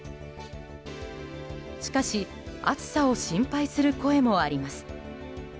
しかし暑さを心配する声もあります。